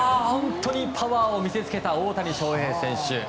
パワーを見せつけた大谷翔平選手。